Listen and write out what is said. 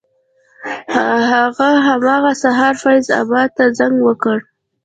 هغه همغه سهار فیض اباد ته زنګ وکړ.